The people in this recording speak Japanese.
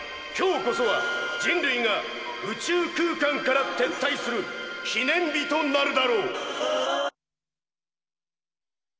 今日こそは人類が宇宙空間から撤退する記念日となるだろう。